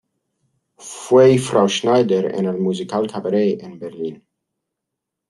Fue Frau Schneider en el musical Cabaret en Berlín.